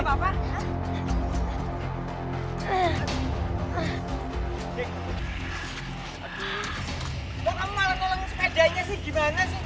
mau kamu malah tolong sepedanya sih gimana sih